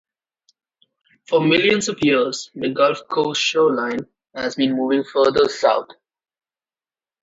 For millions of years, the Gulf Coast shoreline has been moving farther south.